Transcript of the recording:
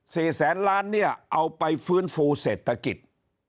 แสนล้านเนี่ยเอาไปฟื้นฟูเศรษฐกิจ